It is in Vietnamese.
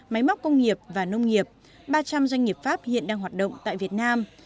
máy móc công nghiệp và nông nghiệp ba trăm linh doanh nghiệp pháp hiện đang hoạt động tại việt nam